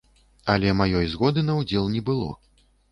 Але маёй згоды на ўдзел не было.